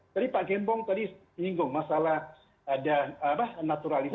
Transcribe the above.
tadi pak gembong tadi menyinggung masalah naturalisasi